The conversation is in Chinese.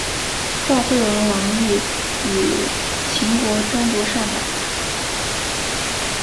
赵惠文王欲与秦国争夺上党。